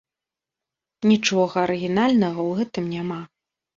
Нічога арыгінальнага ў гэтым няма.